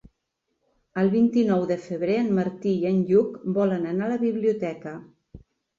El vint-i-nou de febrer en Martí i en Lluc volen anar a la biblioteca.